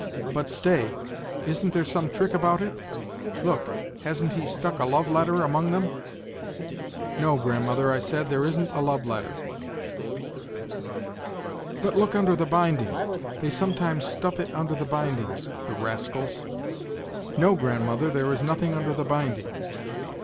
But stay, isn't there some trick about it ? Look, hasn't he stuck a love letter among them ?'' No, grandmother,' I said, ' there isn't a love letter.' ' But look under the binding ; they sometimes stuff it under the bindings, the rascals !'"' No, grandmother, there is nothing under the binding.'